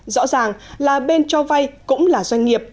rõ ràng là bên cho vay cũng là doanh nghiệp